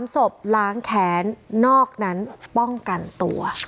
๓ศพล้างแขนนอกนั้นป้องกันตัว